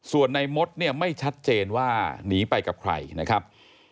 ส่วนในมดเนี่ยไม่ชัดเจนว่าหนีไปกับใครนะครับ